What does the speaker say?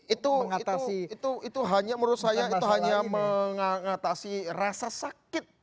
itu hanya menurut saya itu hanya mengatasi rasa sakit